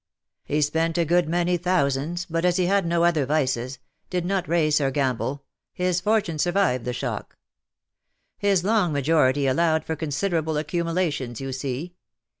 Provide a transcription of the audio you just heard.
" He spent a good many thousands, but as he had no other vices — did not race or gamble — his fortune survived the shock. His long majority allowed for considerable accumulations, you see.